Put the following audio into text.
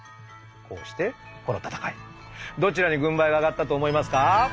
こうしてこの戦いどちらに軍配が上がったと思いますか？